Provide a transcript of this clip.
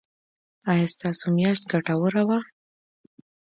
ایا ستاسو میاشت ګټوره وه؟